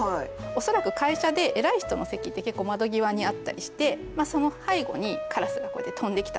恐らく会社で偉い人の席って結構窓際にあったりしてその背後にカラスがこうやって飛んできたと。